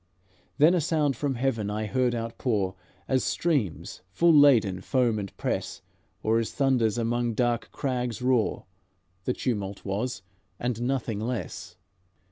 Then a sound from heaven I heard outpour, As streams, full laden, foam and press, Or as thunders among dark crags roar, The tumult was, and nothing less."